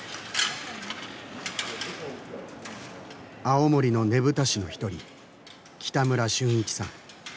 青森のねぶた師の一人北村春一さん。